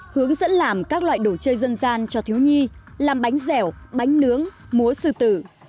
hướng dẫn làm các loại đồ chơi dân gian cho thiếu nhi làm bánh dẻo bánh nướng múa sư tử